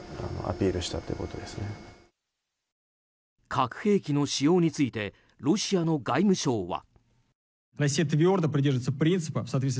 核兵器の使用についてロシアの外務省は。